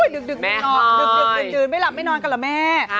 ดึกดื่นไม่หลับไม่นอนกันเหรอแม่